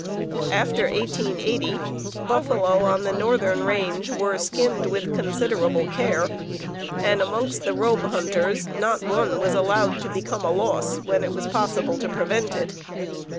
After 1880, buffalo on the northern range were skinned with considerable care, and amongst the robe hunters not one was allowed to become a loss when it was possible to prevent it.